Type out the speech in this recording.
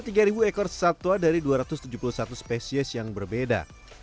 ada tiga ekor satwa dari dua ratus tujuh puluh satu spesies yang berbeda